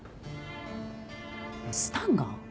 えっスタンガン？